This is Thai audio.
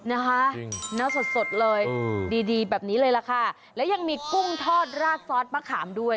นะคะเนื้อสดสดเลยดีดีแบบนี้เลยล่ะค่ะแล้วยังมีกุ้งทอดราดซอสมะขามด้วย